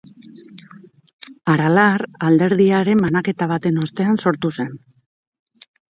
Aralar alderdiaren banaketa baten ostean sortu zen.